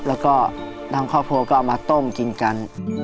แล้วก็ทางครอบครัวก็เอามาต้มกินกัน